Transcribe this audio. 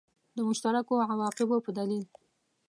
د مشترکو عواقبو په دلیل.